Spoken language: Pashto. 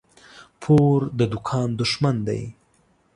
پور د دوکان دښمن دى.